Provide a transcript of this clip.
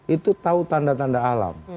itu tahu tanda tanda alam